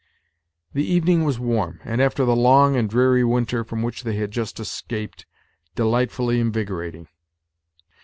The evening was warm, and, after the long and dreary winter from which they had just escaped, delightfully invigorating.